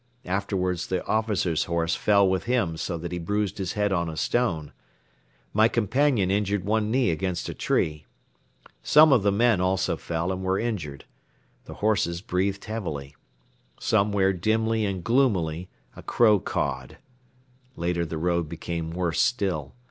Afterwards the officer's horse fell with him so that he bruised his head on a stone. My companion injured one knee against a tree. Some of the men also fell and were injured. The horses breathed heavily. Somewhere dimly and gloomily a crow cawed. Later the road became worse still.